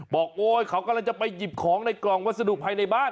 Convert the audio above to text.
โอ๊ยเขากำลังจะไปหยิบของในกล่องวัสดุภายในบ้าน